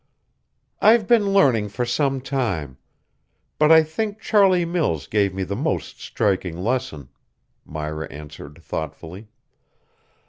"I've been learning for some time; but I think Charlie Mills gave me the most striking lesson," Myra answered thoughtfully.